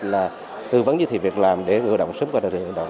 là tư vấn giới thiệu việc làm để người lao động sớm quay lại thị trường lao động